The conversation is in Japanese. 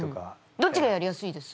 どっちがやりやすいです？